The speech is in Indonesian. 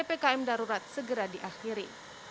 pkm darurat segera diakhiri